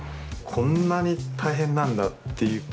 こんなに大変なんだっていう。